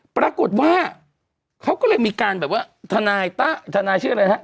ปรากฏว่าเขาก็เลยมีการแบบว่าทนายต้าทนายชื่ออะไรฮะ